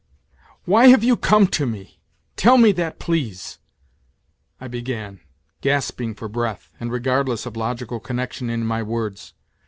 " Why have you come to me, tell me that, please 1 " I began, gasping for breath and regardless of logical connection in my words.